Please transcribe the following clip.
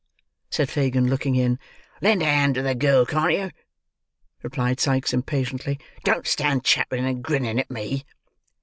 said Fagin, looking in. "Lend a hand to the girl, can't you?" replied Sikes impatiently. "Don't stand chattering and grinning at me!"